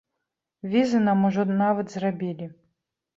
Візы нам ужо нават зрабілі.